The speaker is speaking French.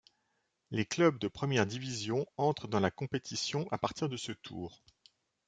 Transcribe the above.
Les clubs de première division entrent dans la compétition à partir de ce tour.